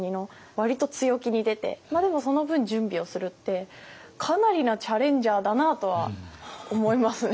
割と強気に出てでもその分準備をするってかなりなチャレンジャーだなとは思いますね。